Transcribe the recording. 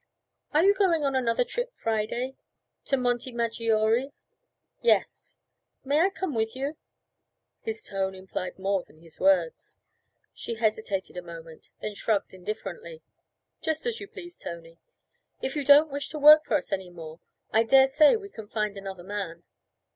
'Are you going on another trip Friday to Monte Maggiore?' 'Yes.' 'May I come with you?' His tone implied more than his words. She hesitated a moment, then shrugged indifferently. 'Just as you please, Tony. If you don't wish to work for us any more I dare say we can find another man.'